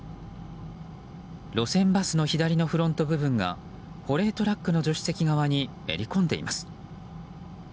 路線バスの左のフロント部分が保冷トラックの助手席側にめり込んでいます。